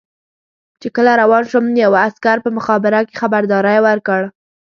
چې کله روان شوم یوه عسکر په مخابره کې خبرداری ورکړ.